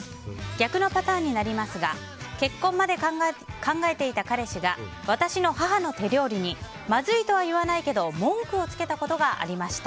逆のパターンになりますが結婚まで考えていた彼氏が私の母の手料理にまずいとは言わないけど文句をつけたことがありました。